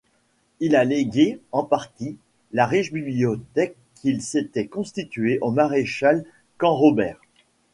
Il a légué, en partie, la riche bibliothèque qu’il s’était constituée au maréchal Canrobert.